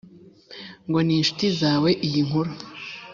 ngo n’inshuti zawe iyi nkuru